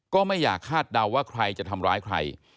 ก็ไม่อยากคาดเดาว่าใครจะทำร้ายใคร